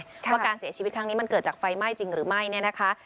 ว่าการเสียชีวิตครั้งนี้มันเกิดจากไฟไหม้จริงหรือไม่เนี่ยนะคะ